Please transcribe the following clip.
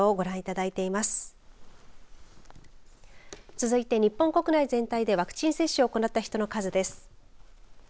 続いて日本国内全体でワクチン接種を行った人の数です。